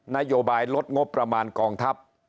นโยบายลดงบประมาณกองทัพ